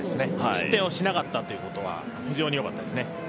失点をしなかったということは非常によかったですね。